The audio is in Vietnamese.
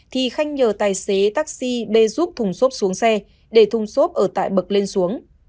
thì khanh nhờ tài xế taxi bê giúp thùng xốp xuống xe để thùng xốp ở tại bậc lên xuống